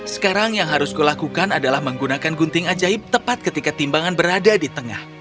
sekarang yang harus kulakukan adalah menggunakan gunting ajaib tepat ketika timbangan berada di tengah